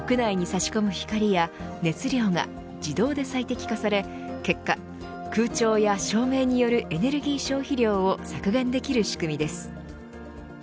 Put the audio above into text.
屋内に差し込む光や熱量が自動で最適化され結果、空調や照明によるエネルギー消費量を削減できる仕組みです。